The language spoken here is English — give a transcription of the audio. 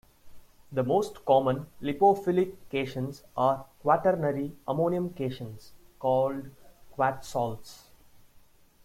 The most common lipophilic cations are quaternary ammonium cations, called "quat salts".